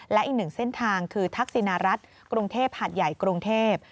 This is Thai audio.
และอีกหนึ่งเส้นทางคือทักษิณรัฐกรุงเทพหาดใหญ่กรุงเทพ